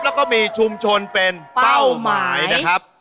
แล้วก็มีชุมชนเป็นเป้าหมายนะครับ